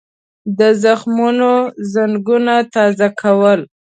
د زخمونو زنګونه تازه کول.